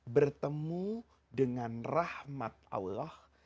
bertemu dengan rahmat allah